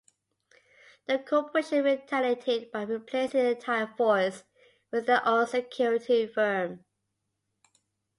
The Corporation retaliated by replacing the entire force with their own security firm.